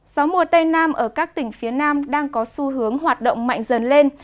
gió mùa tây nam ở các tỉnh phía nam đang có xu hướng hoạt động mạnh dần lên